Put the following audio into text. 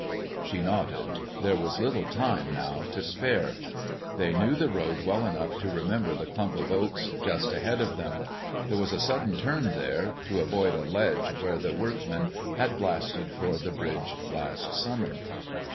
She nodded. There was little time now to spare. They knew the road well enough to remember the clump of oaks just ahead of them. There was a sudden turn there, to avoid a ledge where the workmen had blasted for the bridge last summer.